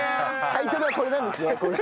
タイトルはこれなんですね。